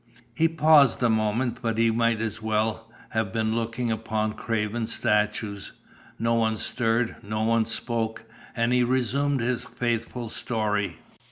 He paused a moment, but he might as well have been looking upon carven statues. No one stirred, no one spoke, and he resumed his fateful story.